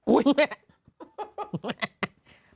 อุ๊ยแม่